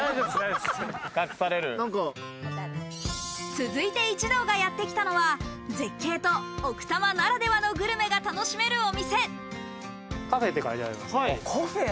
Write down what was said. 続いて一同がやってきたのは、絶景と奥多摩ならではのグルメが楽しめるお店。